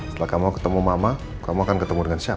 setelah kamu ketemu mama kamu akan ketemu dengan siapa